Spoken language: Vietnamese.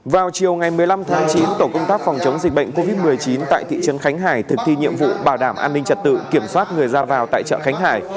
vào chiều ngày một mươi năm tháng chín tổ công tác phòng chống dịch bệnh covid một mươi chín tại thị trấn khánh hải thực thi nhiệm vụ bảo đảm an ninh trật tự kiểm soát người ra vào tại chợ khánh hải